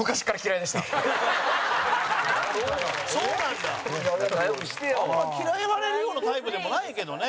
山崎：嫌われるようなタイプでもないけどね。